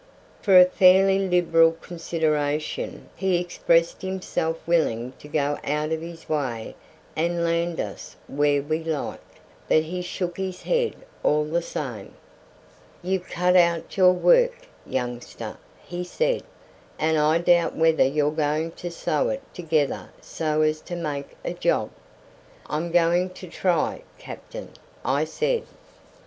For a fairly liberal consideration he expressed himself willing to go out of his way and land us where we liked, but he shook his head all the same. "You've cut out your work, youngster," he said; "and I doubt whether you're going to sew it together so as to make a job." "I'm going to try, captain," I said.